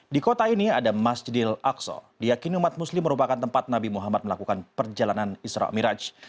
di kota ini ada masjid al aqsa diakini umat muslim merupakan tempat nabi muhammad melakukan perjalanan ⁇ isra ⁇ miraj